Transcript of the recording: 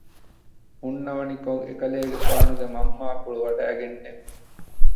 ހުންނަވަނިކޮށް އެކަލޭގެފާނުގެ މަންމާފުޅު ވަޑައިގެންނެވި